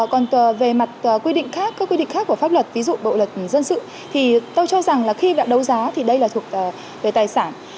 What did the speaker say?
còn về mặt quy định khác các quy định khác của pháp luật ví dụ bộ luật dân sự thì tôi cho rằng là khi bạn đấu giá thì đây là thuộc về tài sản